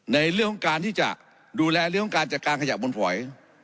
ในเรื่องของการที่จะดูแลเรื่องของการจัดการขยะบนฝอย